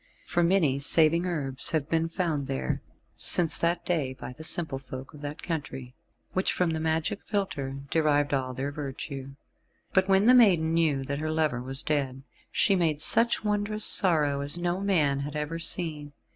For many saving herbs have been found there since that day by the simple folk of that country, which from the magic philtre derived all their virtue. But when the maiden knew that her lover was dead, she made such wondrous sorrow, as no man had ever seen.